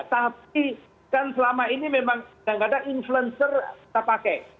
tapi kan selama ini memang kadang kadang influencer terpakai